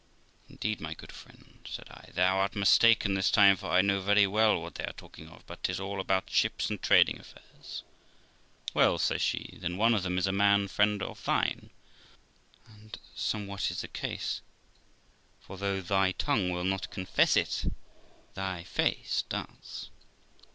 'Indeed, my good friend', said I, 'thou art mistaken this time, for I know very well what they are talking of, but 'tis all about ships and trading affairs.' 'Well', says she, 'then one of them is a man friend of thine, or somewhat is the case ; for though thy tongue will not confess it, thy face does.'